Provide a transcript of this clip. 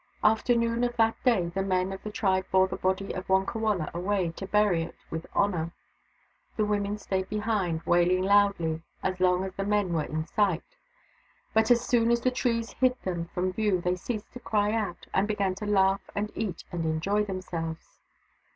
After noon of that day the men of the tribe bore the body of Wonkawala away, to bury it with honour. The women stayed behind, wailing loudly as long as the men were in sight ; but as soon as the trees hid them from view they ceased to cry out, and began to laugh and eat and enjoy themselves.